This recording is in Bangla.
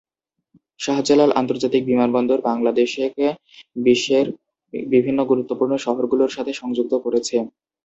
শাহজালাল আন্তর্জাতিক বিমানবন্দর বাংলাদেশকে বিশ্বের বিভিন্ন গুরুত্বপূর্ণ শহরগুলোর সাথে সংযুক্ত করেছে।